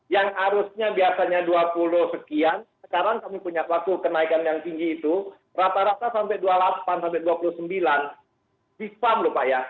yang arusnya biasanya dua puluh sekian sekarang kami punya waktu kenaikan yang tinggi itu rata rata sampai dua puluh delapan sampai dua puluh sembilan di farm lho pak ya